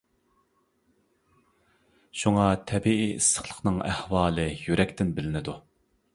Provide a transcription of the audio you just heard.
شۇڭا تەبىئىي ئىسسىقلىقنىڭ ئەھۋالى يۈرەكتىن بىلىنىدۇ.